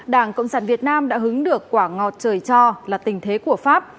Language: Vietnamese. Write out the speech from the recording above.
đảng cộng sản việt nam đã hứng được quả ngọt trời cho là tình thế của pháp